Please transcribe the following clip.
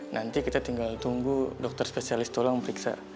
nanti kita tinggal tunggu dokter spesialis tolong periksa